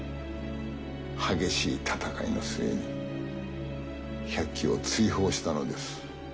激しい戦いの末に百鬼を追放したのです。